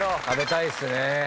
食べたいっすね。